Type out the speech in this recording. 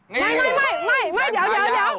นี่แก่งขายาว